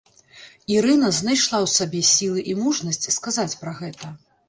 Ірына знайшла ў сабе сілы і мужнасць сказаць пра гэта.